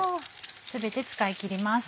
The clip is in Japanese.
全て使い切ります。